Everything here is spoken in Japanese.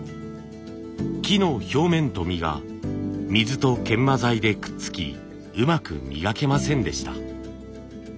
木の表面と実が水と研磨剤でくっつきうまく磨けませんでした。